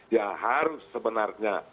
ya harus sebenarnya